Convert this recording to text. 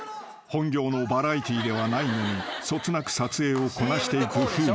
［本業のバラエティーではないのにそつなく撮影をこなしていく風磨］